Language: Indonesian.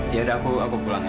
iya udah aku pulang ya